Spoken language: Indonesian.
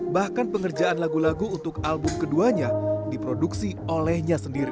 bahkan pengerjaan lagu lagu untuk album keduanya diproduksi olehnya sendiri